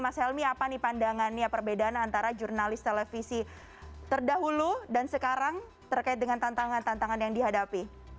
mas helmi apa nih pandangannya perbedaan antara jurnalis televisi terdahulu dan sekarang terkait dengan tantangan tantangan yang dihadapi